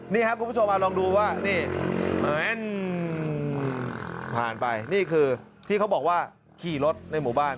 นี่ครับคุณผู้ชมลองดูว่านี่ผ่านไปนี่คือที่เขาบอกว่าขี่รถในหมู่บ้าน